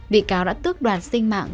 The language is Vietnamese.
bị cáo đã tước đoàn sinh mạng